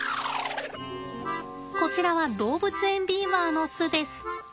こちらは動物園ビーバーの巣です。